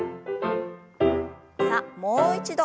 さあもう一度。